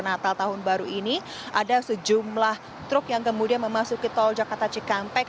natal tahun baru ini ada sejumlah truk yang kemudian memasuki tol jakarta cikampek